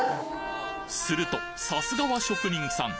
するとさすがは職人さん